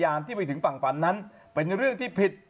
ที่ไปถึงฝั่งฝันนั้นเป็นเรื่องที่ผิด